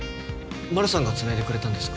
丸さんがつないでくれたんですか？